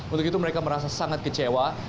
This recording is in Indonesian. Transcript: untuk itu mereka merasa sangat kecewa